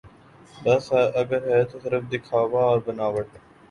بس اگر ہے تو صرف دکھاوا اور بناوٹ